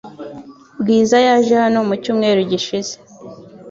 Bwiza yaje hano mu cyumweru gishize .